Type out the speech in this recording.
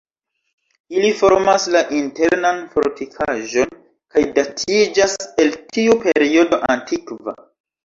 Ili formas la internan fortikaĵon, kaj datiĝas el tiu periodo antikva.